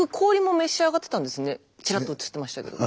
ちらっと映ってましたけど。